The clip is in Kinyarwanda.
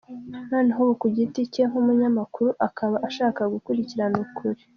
Noneho ubu ku giti cye nk’umunyamakuru akaba ashaka gukurikirana ukuri.